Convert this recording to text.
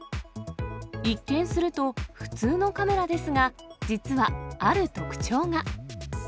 一見すると、普通のカメラですが、実は、ある特徴が。